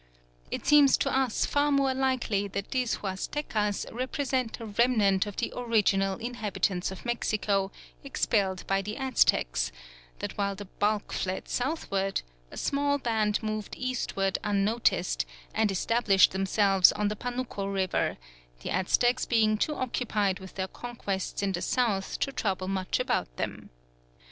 It seems to us far more likely that these Huastecas represent a remnant of the original inhabitants of Mexico expelled by the Aztecs; that while the bulk fled southward, a small band moved eastward unnoticed, and established themselves on the Panuco River, the Aztecs being too occupied with their conquests in the south to trouble much about them.